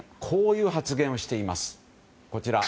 こういう発言をしています。